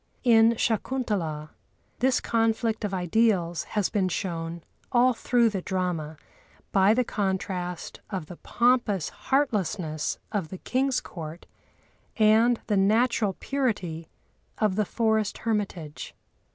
In Shakuntalâ this conflict of ideals has been shown, all through the drama, by the contrast of the pompous heartlessness of the king's court and the natural purity of the forest hermitage.